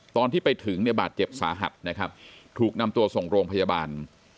ตอนที่ไปถึงเนี่ยบาดเจ็บสาหัสนะครับถูกนำตัวส่งโรงพยาบาล